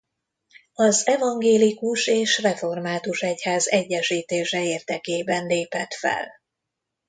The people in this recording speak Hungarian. Az evangélikus és református egyház egyesítése érdekében lépett fel.